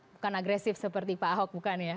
bukan agresif seperti pak ahok bukan ya